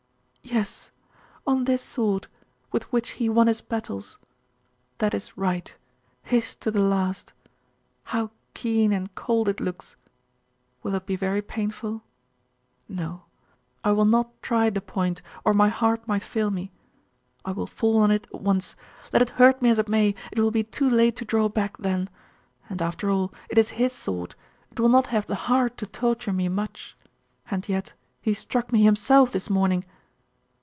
'Yes on this sword with which he won his battles. That is right his to the last! How keen and cold it looks! Will it be very painful?.... No I will not try the point, or my heart might fail me. I will fall on it at once: let it hurt me as it may, it will be too late to draw back then. And after all it is his sword It will not have the heart to torture me much. And yet he struck me himself this morning!